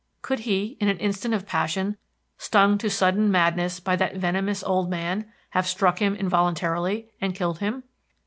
Could he in an instant of passion, stung to sudden madness by that venomous old man have struck him involuntarily, and killed him?